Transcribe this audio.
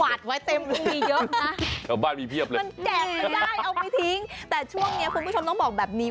กวาดไว้เต็มมีเยอะนะมันแจกก็ได้เอาไปทิ้งแต่ช่วงนี้คุณผู้ชมต้องบอกแบบนี้